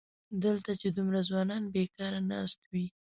دلته چې دومره ځوانان بېکاره ناست وي.